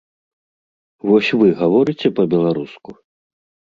Вось вы гаворыце па-беларуску?